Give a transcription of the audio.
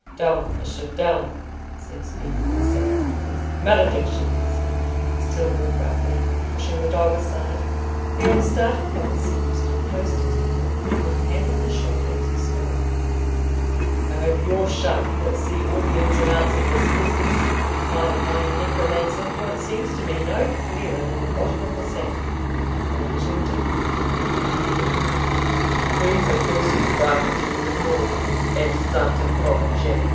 "Down, Mischief, down!" said Spini, with sudden roughness. "Malediction!" he added, still more gruffly, pushing the dog aside; then, starting from his seat, he stood close to Tito, and put a hand on his shoulder as he spoke. "I hope your sharp wits see all the ins and outs of this business, my fine necromancer, for it seems to me no clearer than the bottom of a sack." "What is your difficulty, my cavalier?" "These accursed Frati Minori at Santa Croce.